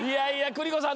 邦子さん。